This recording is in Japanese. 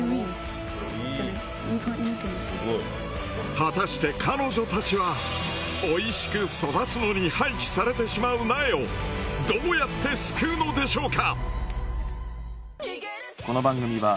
果たして彼女たちはおいしく育つのに廃棄されてしまう苗をどうやって救うのでしょうか？